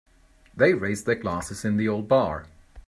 They raised their glasses in the old bar.